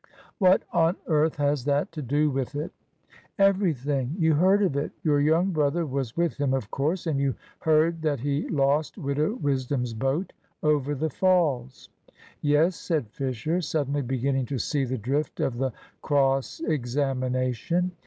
"What on earth has that to do with it?" "Everything. You heard of it? Your young brother was with him, of course. And you heard that he lost Widow Wisdom's boat over the falls." "Yes," said Fisher, suddenly beginning to see the drift of the cross examination.